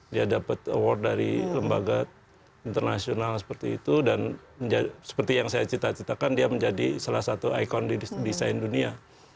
dia dapat award dari lembaga internasional seperti itu dan seperti yang saya cita citakan dia menjadi salah satu ikon di desain dunia